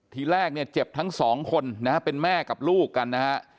ทีแรกเนี่ยเจ็บทั้งสองคนนะฮะเป็นแม่กับลูกกันนะฮะ